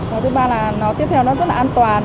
và thứ ba là nó tiếp theo nó rất là an toàn